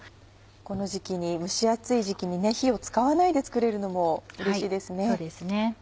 この時期に蒸し暑い時期に火を使わないで作れるのもうれしいですね。